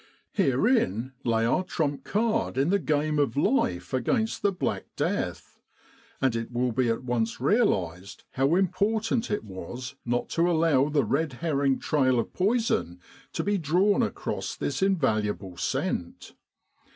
Herein lay our trump card in the game of life against the Black Death ; and it will be at once realised how important it was not to allow the red herring trail of poison to be drawn across this invaluable scent.